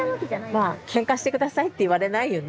まあ「けんかして下さい」って言われないよね。